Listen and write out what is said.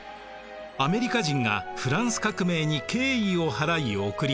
アメリカ人がフランス革命に敬意を払い贈りました。